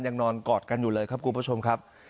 นอนกอดกันอยู่เลยครับคุณผู้ชมครับ